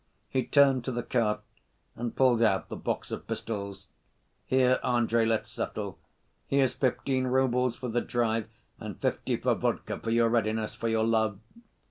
He turned to the cart and pulled out the box of pistols. "Here, Andrey, let's settle. Here's fifteen roubles for the drive, and fifty for vodka ... for your readiness, for your love....